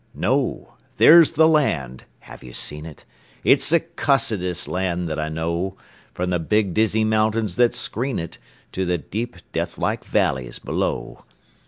No! There's the land. (Have you seen it?) It's the cussedest land that I know, From the big, dizzy mountains that screen it To the deep, deathlike valleys below.